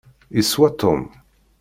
Iswa Tom.